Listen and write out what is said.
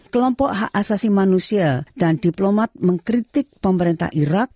kelompok hak asasi manusia dan diplomat mengkritik pemerintah irak